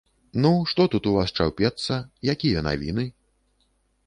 Ну, што тут у вас чаўпецца, якія навіны?